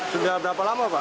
sudah berapa lama pak